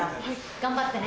頑張ってね。